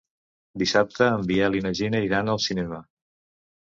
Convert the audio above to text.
Dissabte en Biel i na Gina iran al cinema.